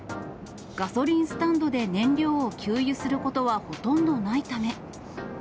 ガソリンスタンドで燃料を給油することはほとんどないため。